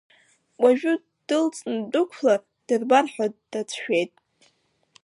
Уажәы дылҵны ддәықәлар, дырбар ҳәа дацәшәеит.